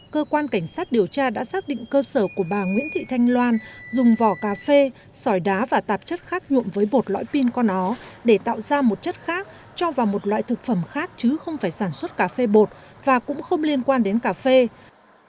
cơ quan cảnh sát điều tra công an tỉnh đắk nông đã khởi tố vụ án dùng than pin con ó nhuộm các phế phạm quy định về an toàn thực phẩm theo điều ba trăm một mươi bảy của bộ luật hình sự đồng thời ra quy định tạm giữ sáu đối tượng liên quan đến vụ việc